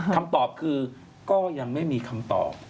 คำตอบคือก็ยังไม่มีคำตอบ